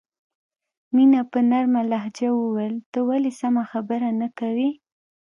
مینه په نرمه لهجه وویل ته ولې سمه خبره نه کوې